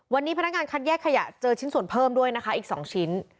วันนี้พนักงานคัดแยกขยะเจอชิ้นส่วนเพิ่มด้วยนะคะอีก๒ชิ้น